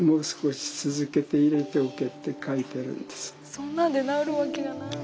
そんなんで治るわけがない。